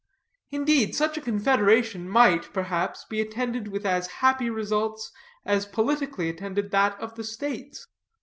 Indeed, such a confederation might, perhaps, be attended with as happy results as politically attended that of the states.